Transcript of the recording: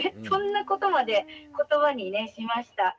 そんなことまでことばにしました。